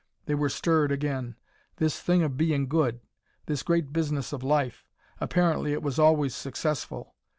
They were stirred again. This thing of being good this great business of life apparently it was always successful.